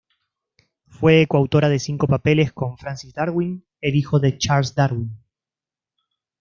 Fue coautora de cinco papeles con Francis Darwin, el hijo de Charles Darwin.